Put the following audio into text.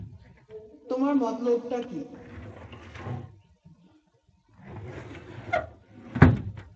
তোমার মতলবটা কি?